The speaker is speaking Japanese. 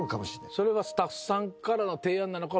それはスタッフさんからの提案なのか。